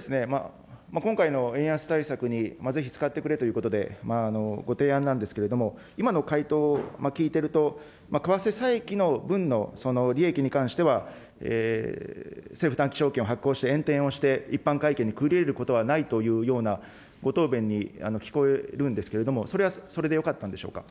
これは今回の円安対策にぜひ使ってくれということで、ご提案なんですけれども、今の回答を聞いてると、為替差益の分の利益に関しては、政府短期証券を発行して、円転をして、一般会計に繰り入れることはないというようなご答弁に聞こえるんですけれども、それはそれでよかったんでしょうか。